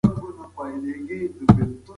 که موږ پوه شو، نو درواغو ته نه ځو.